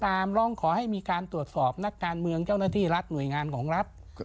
ร้องขอให้มีการตรวจสอบนักการเมืองเจ้าหน้าที่รัฐหน่วยงานของรัฐ